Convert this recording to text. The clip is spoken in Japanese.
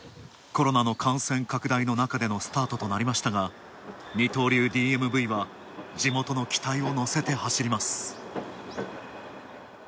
コロナの感染拡大のなかでのスタートとなりましたが二刀流ＤＭＶは、地元の期待を乗せて走ります。